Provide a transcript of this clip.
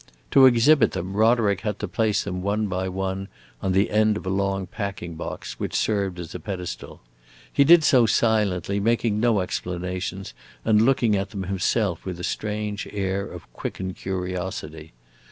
To exhibit them Roderick had to place them one by one on the end of a long packing box, which served as a pedestal. He did so silently, making no explanations, and looking at them himself with a strange air of quickened curiosity.